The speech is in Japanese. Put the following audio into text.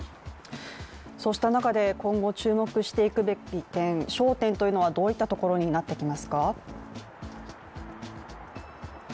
そうした中で今後、注目していくべき点焦点というのはどういったところになってきますか？